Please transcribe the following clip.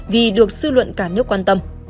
vì được sư luận cả nước quan tâm